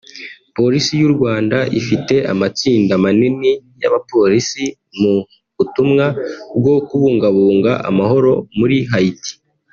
Polisi y’u Rwanda ifite amatsinda manini y’abapolisi mu butumwa bwo kubungabunga amahoro muri Haiti